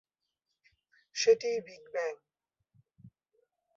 সেটাই বিগ ব্যাং।